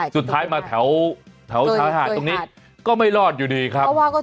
สุดท้ายมาแถวชายหาดตรงนี้ก็ไม่รอดอยู่ดีครับ